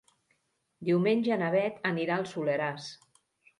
Diumenge na Beth anirà al Soleràs.